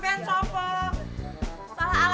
tentang mau anakku sama aku